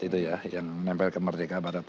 itu ya yang nempel ke merdeka barat